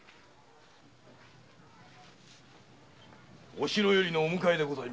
お城よりのお迎えでございます。